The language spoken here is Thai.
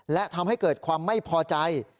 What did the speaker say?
และทำให้เกิดความไม่พอใจ